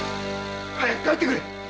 早く帰ってくれ！